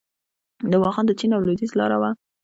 واخان د چین او لویدیځ لاره وه